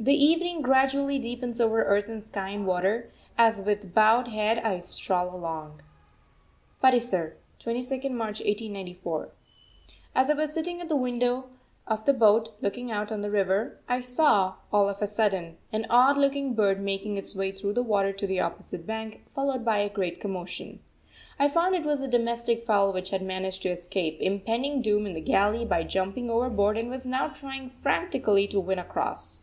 The evening gradually deepens over earth and sky and water, as with bowed head I stroll along. PATISAR, 22nd March 1894. As I was sitting at the window of the boat, looking out on the river, I saw, all of a sudden, an odd looking bird making its way through the water to the opposite bank, followed by a great commotion. I found it was a domestic fowl which had managed to escape impending doom in the galley by jumping overboard and was now trying frantically to win across.